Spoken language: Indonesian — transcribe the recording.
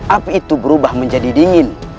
api itu berubah menjadi dingin